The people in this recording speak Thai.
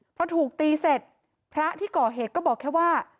พอถูกตีเสร็จพระที่ก่อเหตุก็บอกแค่ว่า